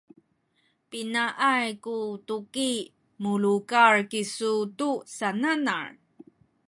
pinaay ku tuki mulekal kisu tu sananal?